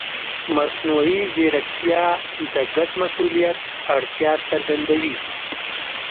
مصنوعي ځیرکتیا د ګډ مسؤلیت اړتیا څرګندوي.